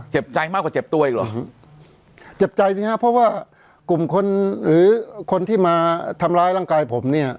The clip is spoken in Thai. เจ็บใจมากกว่าเจ็บตัวอีกหรอเจ็บใจสิฮะเพราะว่ากลุ่มคนหรือคนที่มาทำร้ายร่างกายผมเนี่ย